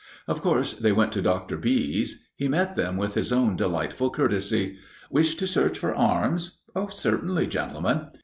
Of course they went to Dr. B.'s. He met them with his own delightful courtesy. "Wish to search for arms? Certainly, gentlemen."